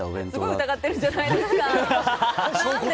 すごい疑ってるじゃないですか！